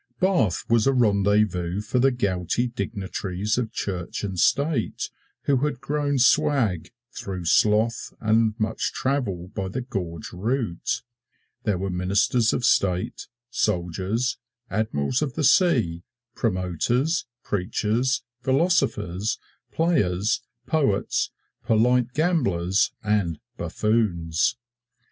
Bath was a rendezvous for the gouty dignitaries of Church and State who had grown swag through sloth and much travel by the gorge route. There were ministers of state, soldiers, admirals of the sea, promoters, preachers, philosophers, players, poets, polite gamblers and buffoons.